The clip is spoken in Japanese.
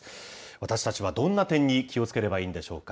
私たちはどんな点に気をつければいいんでしょうか。